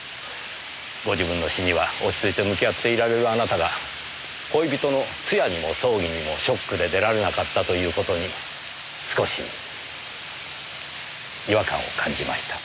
ご自分の死には落ち着いて向き合っていられるあなたが恋人の通夜にも葬儀にもショックで出られなかったという事に少し違和感を感じました。